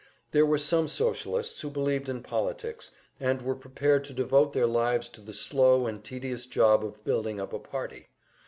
There were some Socialists who believed in politics, and were prepared to devote their lives to the slow and tedious job of building up a party.